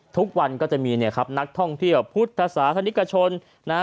ทุกวันก็จะมีเนี่ยครับนักท่องเที่ยวพุทธศาสนิกชนนะฮะ